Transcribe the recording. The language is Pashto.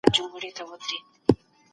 د بدن ورزش کول د انسان همت لوړوي.